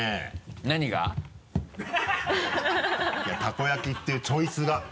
いやたこ焼きっていうチョイスが。